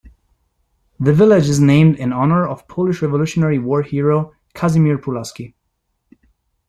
The village is named in honor of Polish Revolutionary War hero Casimir Pulaski.